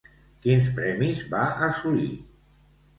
Quins premis va assolir?